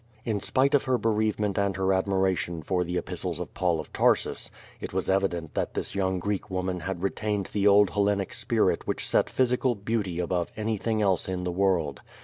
54 QUO VADI8. In spite of her bereavement and her admiration for the epis tles of Paul of Tarsus it was evident that this young Greek woman had retained the old Hellenic spirit which set physi cal beauty above anything else in the world.